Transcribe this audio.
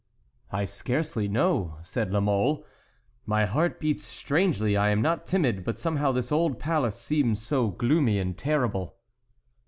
"I scarcely know," said La Mole; "my heart beats strangely. I am not timid, but somehow this old palace seems so gloomy and terrible."